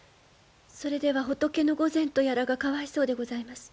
それでは仏御前とやらがかわいそうでございます。